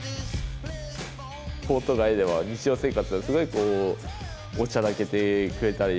コート外では日常生活はすごいこうおちゃらけてくれたり。